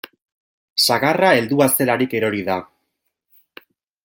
Sagarra heldua zelarik erori da.